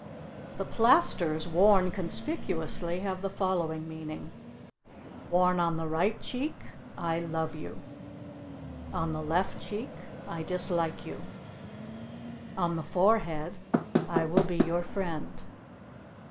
The plasters worn conspicuously have the following meaning: Worn on the right cheek I love you. On the left cheek I dislike you. On the forehead I will be your friend.